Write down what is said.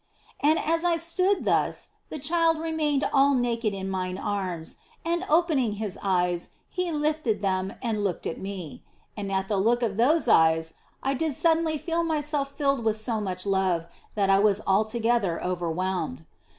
And as I stood thus, the Child remained all naked in mine arms ; and opening His eyes He lifted them and looked to me. And at the look of those eyes I did suddenly feel myself filled with so much love that I was altogether overwhelmed.